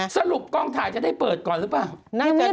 สรุปกองถ่ายจะได้เปิดก่อนหรือเปล่า